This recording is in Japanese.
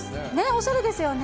おしゃれですよね。